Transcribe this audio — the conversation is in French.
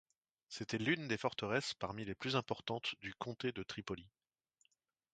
C'était l'une des forteresses parmi les plus importantes du comté de Tripoli.